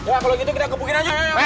ya kalau gitu kita kebukin aja